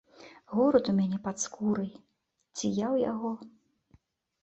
Горад у мяне пад скурай, ці я ў яго?